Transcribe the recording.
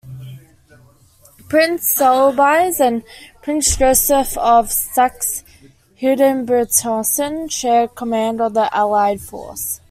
Prince Soubise and Prince Joseph of Saxe-Hildburghausen shared command of the Allied force.